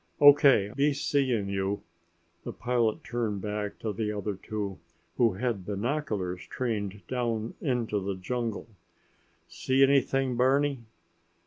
O.K. Be seeing you!" The pilot turned back to the other two, who had binoculars trained down into the jungle. "See anything, Barney?"